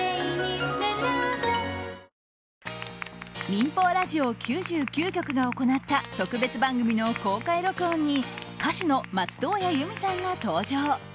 民放ラジオ９９局が行った特別番組の公開録音に歌手の松任谷由実さんが登場。